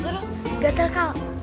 tunggu dulu kita